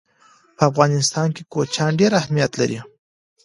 په افغانستان کې کوچیان ډېر اهمیت لري.